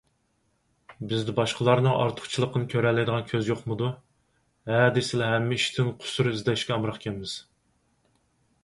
بىزدە باشقىلارنىڭ ئارتۇقچىلىقىنى كۆرەلەيدىغان كۆز يوقمىدۇ؟ ھە دېسىلا ھەممە ئىشتىن قۇسۇر ئىزدەشكە ئامراقكەنمىز.